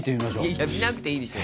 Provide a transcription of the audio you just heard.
いやいや見なくていいでしょ。